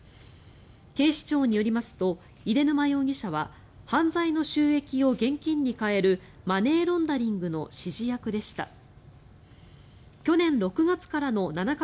警視庁によりますと出沼容疑者は犯罪の収益を現金に換えるマネーロンダリングの指示役でした。